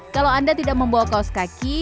kalau anda tidak membawa kaos kaki